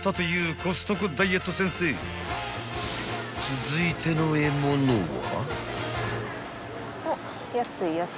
［続いての獲物は］